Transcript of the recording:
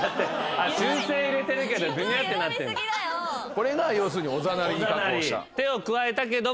これが要するにおざなりに加工した。